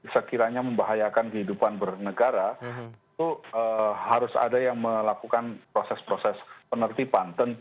sekiranya membahayakan kehidupan bernegara itu harus ada yang melakukan proses proses penertiban